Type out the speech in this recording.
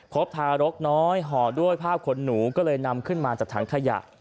ทารกน้อยห่อด้วยผ้าขนหนูก็เลยนำขึ้นมาจากถังขยะ